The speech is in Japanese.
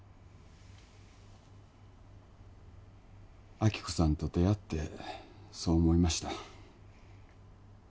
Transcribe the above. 亜希子さんと出会ってそう思いました